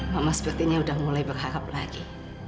mama sepertinya sudah mulai berharap lagi